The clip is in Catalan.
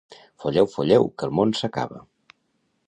Folleu, folleu, que el món s'acaba.